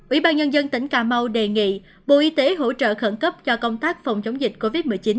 ủy ban nhân dân tỉnh cà mau đề nghị bộ y tế hỗ trợ khẩn cấp cho công tác phòng chống dịch covid một mươi chín